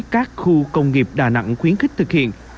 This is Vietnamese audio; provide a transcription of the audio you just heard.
các khu công nghiệp đà nẵng khuyến khích thực hiện